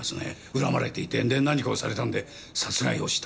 恨まれていてで何かをされたんで殺害をした。